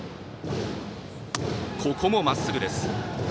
ここもまっすぐです。